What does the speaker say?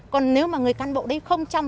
còn nếu mà người can bộ đấy không trong